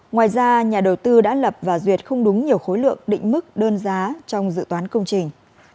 ngoài ra nhà đầu tư đã lập và duyệt không đúng nhiều khối lượng định mức đơn giá trong dự toán công trình